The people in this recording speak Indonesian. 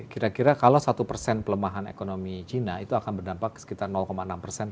kira kira kalau satu pelemahan ekonomi cina itu akan berdampak sekitar enam terhadap ekonomi cina